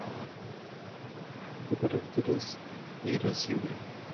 Su carácter es irascible.